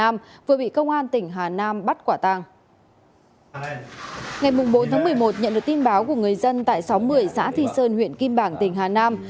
ngày bốn một mươi một nhận được tin báo của người dân tại xóm một mươi xã thi sơn huyện kim bảng tỉnh hà nam